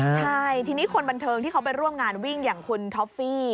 ใช่ทีนี้คนบันเทิงที่เขาไปร่วมงานวิ่งอย่างคุณท็อฟฟี่